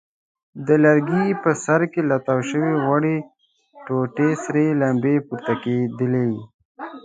د لرګي په سر کې له تاو شوې غوړې ټوټې سرې لمبې پورته کېدلې.